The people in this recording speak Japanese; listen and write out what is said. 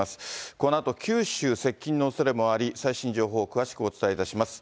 このあと九州接近のおそれもあり、最新情報を詳しくお伝えいたします。